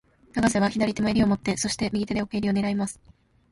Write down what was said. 永瀬は左手も襟を持って、そして、右手で奥襟を狙います。